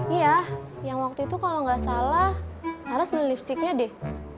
iya yang waktu itu kalau gak salah naras beli lipsticknya deh